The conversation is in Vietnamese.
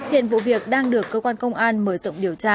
hiện vụ việc đang được cơ quan công an mở rộng điều tra